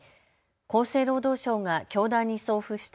厚生労働省が教団に送付した